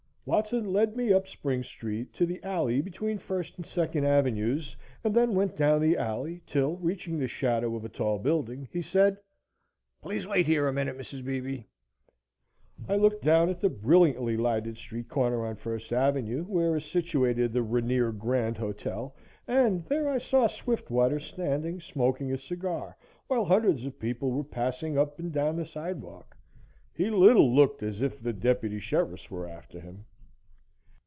Watson led me up Spring Street to the alley between First and Second Avenues and then went down the alley till, reaching the shadow of a tall building, he said: "Please wait here a minute, Mrs. Beebe." I looked down at the brilliantly lighted street corner on First Avenue, where is situated the Rainier Grand Hotel, and there I saw Swiftwater standing, smoking a cigar, while hundreds of people were passing up and down the sidewalk. He little looked as if the deputy sheriffs were after him.